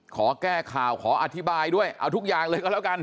ขอแก้ข่าวขออธิบายด้วยเอาทุกอย่างเลยก็แล้วกัน